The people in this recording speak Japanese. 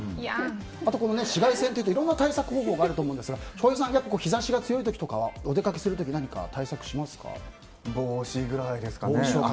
あと紫外線というといろんな対策方法があると思うんですが翔平さん、日差しが強い時はお出かけする時帽子ぐらいですかね。